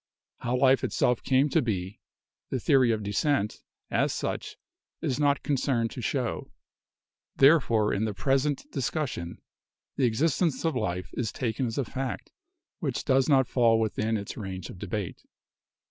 How life itself came to be, the theory of descent, as such, is not concerned to show. Therefore, in the present discussion, the existence of life is taken as a fact which does not fall within its range of debate.